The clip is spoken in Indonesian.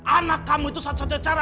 anak kamu itu satu satunya cara